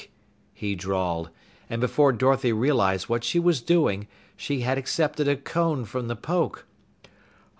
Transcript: he drawled, and before Dorothy realized what she was doing, she had accepted a cone from the Poke.